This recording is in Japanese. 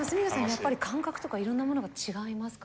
やっぱり感覚とか色んなものが違いますか？